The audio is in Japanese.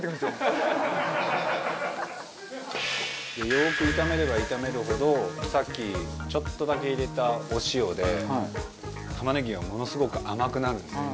よく炒めれば炒めるほどさっきちょっとだけ入れたお塩で玉ねぎがものすごく甘くなるので。